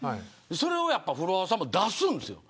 それをフロアさんは出すんです。